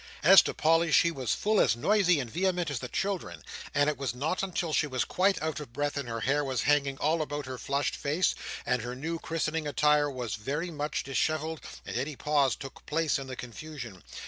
As to Polly, she was full as noisy and vehement as the children; and it was not until she was quite out of breath, and her hair was hanging all about her flushed face, and her new christening attire was very much dishevelled, that any pause took place in the confusion.